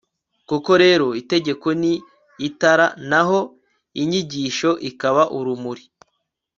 koko rero, itegeko ni itara, naho inyigisho ikaba urumuri